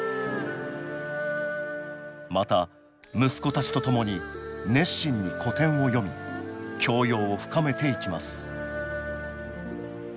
また息子たちとともに熱心に古典を読み教養を深めていきます